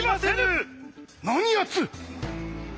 何やつ！